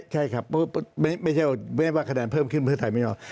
ใช่ครับไม่ใช่ว่าคะแนนเพิ่มขึ้นเพื่อไทยไม่ยอม